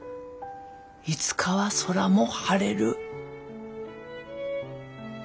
いつかは空も晴れる。